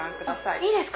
いいですか？